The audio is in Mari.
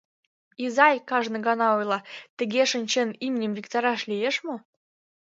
— Изай, — кажне гана ойла, — тыге шинчен, имньым виктараш лиеш мо?